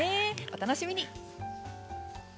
お楽しみに。